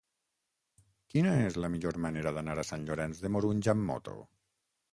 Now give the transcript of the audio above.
Quina és la millor manera d'anar a Sant Llorenç de Morunys amb moto?